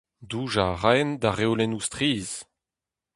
Doujañ a raent da reolennoù strizh.